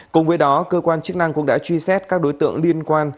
cùng với đó cơ quan chức năng cũng đã truy xét các đối tượng liên quan